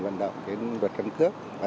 vận động về luật căn cước